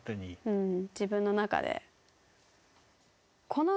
うん。